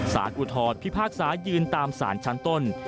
อุทธรพิพากษายืนตามสารชั้นต้น